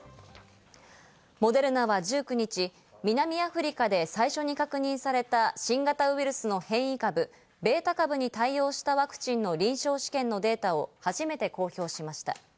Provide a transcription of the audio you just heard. モデルナは１９日、南アフリカで最初に確認された新型ウイルスの変異株、ベータ株に対応したワクチンの臨床試験のデータを初めて公表しました。